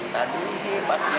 tadi sih pas ini